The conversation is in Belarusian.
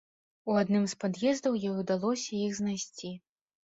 У адным з пад'ездаў ёй удалося іх знайсці.